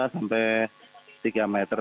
dua sampai tiga meter